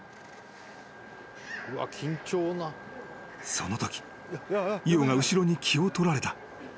［そのときイオが後ろに気を取られた］